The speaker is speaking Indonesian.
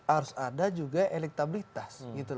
harus ada juga elektabilitas